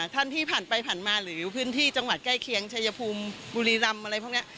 ท่านที่ผ่านไปผ่านมาหรือพื้นที่จังหวัดใกล้เคียงชายภูมิบุรีรำอะไรพวกนี้